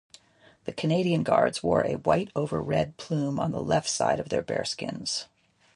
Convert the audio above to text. The Canadian Guards wore a white-over-red plume on the left side of their bearskins.